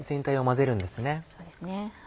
そうですね。